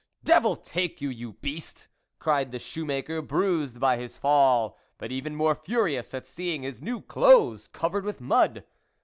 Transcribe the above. " Devil take you, you beast !" cried the shoe maker, bruised by his fall, but even more furious at seeing his new clothes covered with mud.